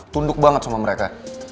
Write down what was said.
tunduk banget sama mereka